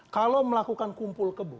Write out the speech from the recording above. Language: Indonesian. kalau melakukan kumpul kebo